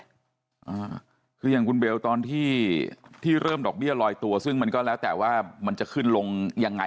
อ่าคืออย่างคุณเบลตอนที่ที่เริ่มดอกเบี้ยลอยตัวซึ่งมันก็แล้วแต่ว่ามันจะขึ้นลงยังไง